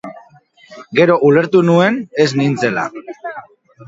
Gero ulertu nuen ez nintzela.